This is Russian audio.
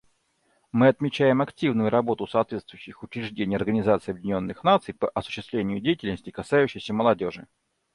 Мы отмечаем активную работу соответствующих учреждений Организации Объединенных Наций по осуществлению деятельности, касающейся молодежи.